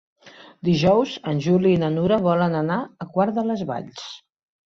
Dijous en Juli i na Nura volen anar a Quart de les Valls.